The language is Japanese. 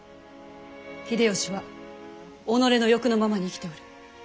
秀吉は己の欲のままに生きておる。